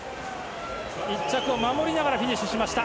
１着を守りながらフィニッシュしました。